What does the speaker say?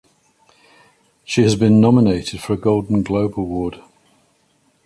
She has been nominated for a Golden Globe Award.